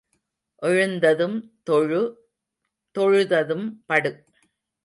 எழுந்ததும் தொழு தொழுததும் படு.